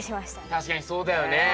確かにそうだよね。